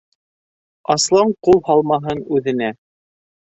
Аслан ҡул һалмаһын үҙенә...